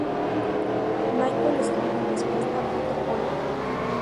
Michael escribe en respuesta otro "hola?".